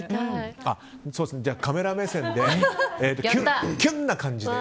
カメラ目線でキュンな感じで。